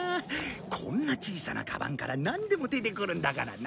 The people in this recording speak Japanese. こんな小さなカバンからなんでも出てくるんだからな。